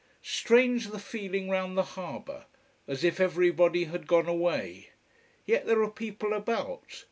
Strange the feeling round the harbour: as if everybody had gone away. Yet there are people about.